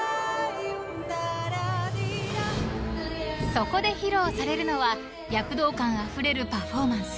［そこで披露されるのは躍動感あふれるパフォーマンス］